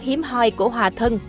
hiếm hoi của hòa thân